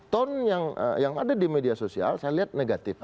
ton yang ada di media sosial saya lihat negatif